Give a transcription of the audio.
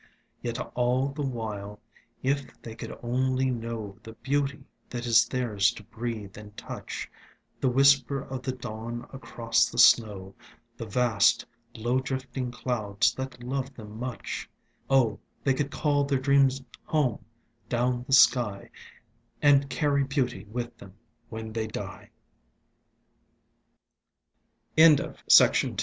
Yet all the while if they could only know The beauty that is theirs to breathe and touch — The whisper of the dawn across the snow, The vast low drifting clouds that love them much — Oh, they could call their dreams home down the sky, And carry beaut